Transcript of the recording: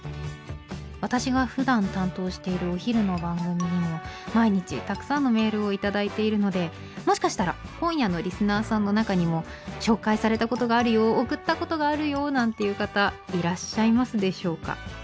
私がふだん担当しているお昼の番組にも毎日たくさんのメールを頂いているのでもしかしたら今夜のリスナーさんの中にも「紹介されたことがあるよ」「送ったことがあるよ」なんていう方いらっしゃいますでしょうか？